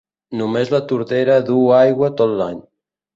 Només la Tordera duu aigua tot l'any.